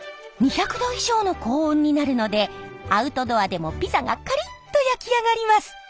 ２００度以上の高温になるのでアウトドアでもピザがカリッと焼き上がります。